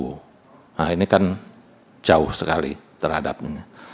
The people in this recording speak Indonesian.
nah ini kan jauh sekali terhadapnya